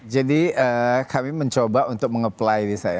jadi kami mencoba untuk meng apply